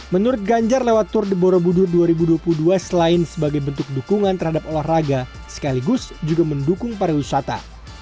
menurut ganjar lewat tour de borobudur dua ribu dua puluh dua selain sebagai bentuk dukungan terhadap olahraga sekaligus juga mendukung pariwisata